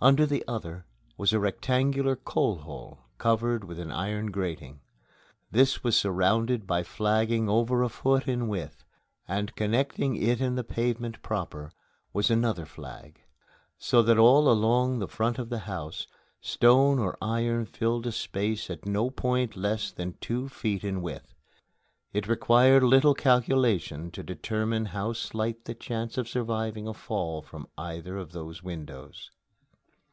Under the other was a rectangular coal hole covered with an iron grating. This was surrounded by flagging over a foot in width; and connecting it and the pavement proper was another flag. So that all along the front of the house, stone or iron filled a space at no point less than two feet in width. It required little calculation to determine how slight the chance of surviving a fall from either of those windows.